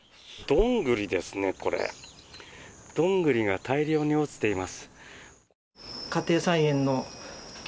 ドングリが大量に落ちています。